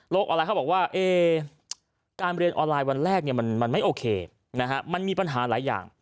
ออนไลน์เขาบอกว่าการเรียนออนไลน์วันแรกมันไม่โอเคมันมีปัญหาหลายอย่าง